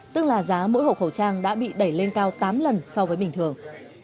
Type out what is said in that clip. tức là giá mỗi hộ khẩu trang đã bị đẩy lên cao tám lần so với bình thường